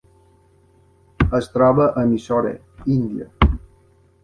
Es troba a Mysore, Índia.